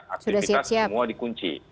aktivitas semua di kunci